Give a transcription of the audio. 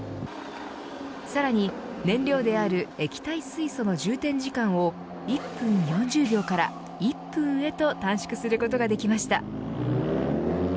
さらに燃料である液体水素の充填時間を１分４０秒から１分へと短縮することができました。